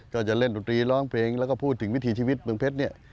ก็จะเล่นดนตรีร้องเพลงแล้วก็พูดถึงวิถีชีวิตเมืองเพชรเนี่ย